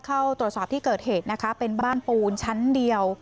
เข้าตรวจสอบที่เกิดเหตุนะคะเป็นบ้านปูนชั้นเดียว